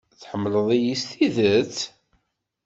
Tḥemmleḍ-iyi s tidet?